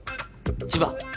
千葉？